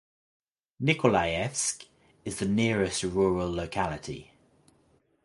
Nikolayevsk is the nearest rural locality.